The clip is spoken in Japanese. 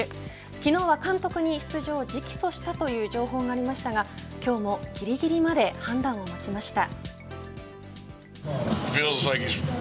昨日は、監督に出場を直訴したという情報がありましたが今日もぎりぎりまで判断を待ちました。